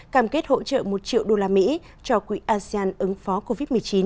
cam kết hỗ trợ một triệu usd cho quỹ asean ứng phó covid một mươi chín